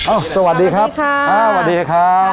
อ้าวสวัสดีครับก้าวสวัสดีครับ